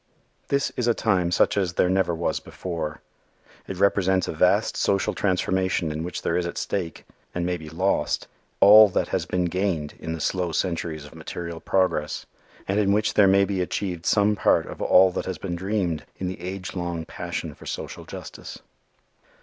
This is a time such as there never was before. It represents a vast social transformation in which there is at stake, and may be lost, all that has been gained in the slow centuries of material progress and in which there may be achieved some part of all that has been dreamed in the age long passion for social justice.